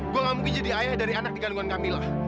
gue gak mungkin jadi ayah dari anak dikandungan kamilah